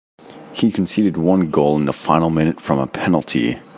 He conceded one goal in the final minute from a penalty.